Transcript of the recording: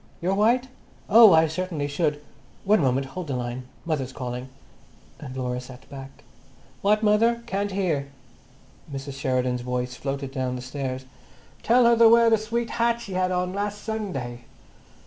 Your white? Oh, I certainly should. One moment—hold the line. Mother's calling." And Laura sat back. "What, mother? Can't hear." Mrs. Sheridan's voice floated down the stairs. "Tell her to wear that sweet hat she had on last Sunday."